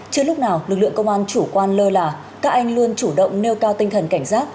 chưa lúc nào lực lượng công an chủ quan lơ là các anh luôn chủ động nêu cao tinh thần cảnh giác